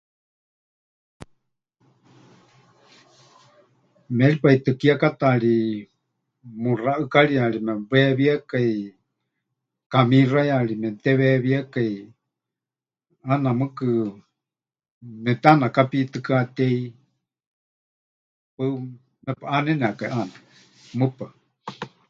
Méripai tɨ kiekátaari muxá ʼɨkariyari mepɨweewíekai, kamixayari memɨteweewíekai, ʼaana mɨɨkɨ mepɨteʼanakapitɨkatéi, paɨ mepɨʼánenekai ʼaana. Mɨpaɨ.